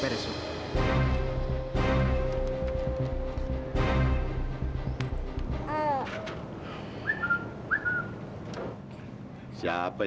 pada suatu hari